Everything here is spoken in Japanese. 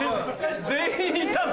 全員いたぞ！